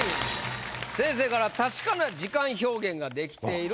先生から「確かな時間表現ができている」という。